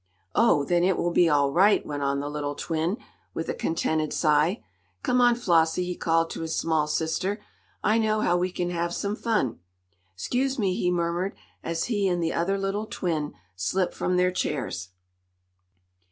"Oh, then it will be all right," went on the little twin, with a contented sigh. "Come on, Flossie," he called to his small sister, "I know how we can have some fun. 'Scuse me," he murmured, as he and the other little twin slipped from their chairs.